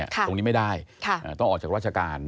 ตรงนี้ไม่ได้ต้องออกจากราชการ